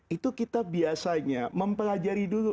itu kita biasanya mempelajari dulu